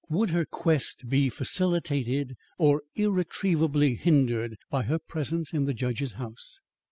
Would her quest be facilitated or irretrievably hindered by her presence in the judge's house?